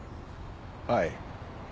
はい。